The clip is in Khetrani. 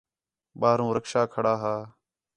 باہر رکشا کھڑا ہا